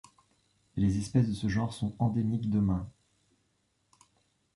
Les espèces de ce genre sont endémiques d'Oman.